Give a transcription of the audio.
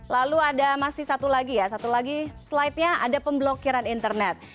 lalu ada masih satu lagi ya satu lagi slide nya ada pemblokiran internet